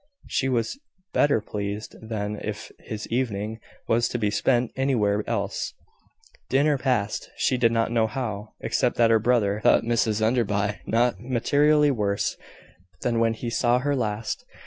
She was better pleased than if his evening was to be spent anywhere else. Dinner passed, she did not know how, except that her brother thought Mrs Enderby not materially worse than when he saw her last.